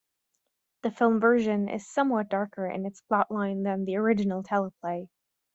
The film version is somewhat darker in its plotline than the original teleplay.